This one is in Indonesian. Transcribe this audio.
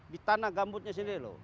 di tanah gambutnya sendiri loh